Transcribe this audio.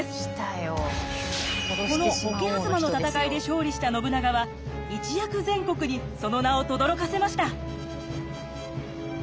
この桶狭間の戦いで勝利した信長は一躍全国にその名をとどろかせました。